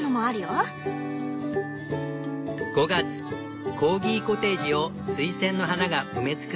コーギコテージをスイセンの花が埋め尽くす。